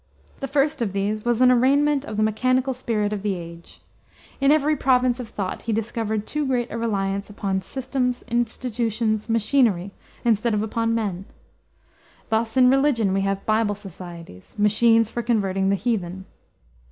The first of these was an arraignment of the mechanical spirit of the age. In every province of thought he discovered too great a reliance upon systems, institutions, machinery, instead of upon men. Thus, in religion, we have Bible Societies, "machines for converting the heathen."